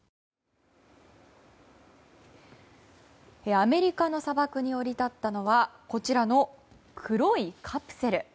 アメリカの砂漠に降り立ったのはこちらの黒いカプセル。